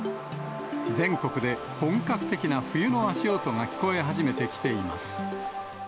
全国で本格的な冬の足音が聞こえ始めています。